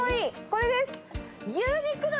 これです！